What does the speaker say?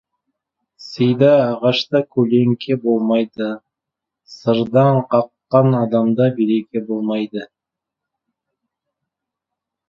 Сида ағашта көлеңке болмайды, сырдаң қаққан адамда береке болмайды.